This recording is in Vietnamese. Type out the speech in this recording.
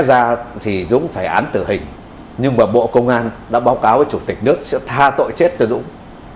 giảm án tử hình nhưng mà bộ công an đã báo cáo với chủ tịch nước sẽ tha tội chết từ dũng